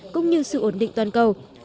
cũng như sự ổn định toàn cầu